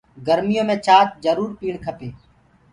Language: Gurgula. گرميو مي ڇآچ جرور پيٚڻي کپي۔